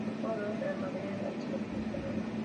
Fue jugador del Real Madrid y de la selección española.